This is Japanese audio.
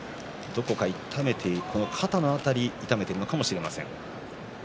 どこか痛めているのか肩の辺りを痛めているのかもしれません。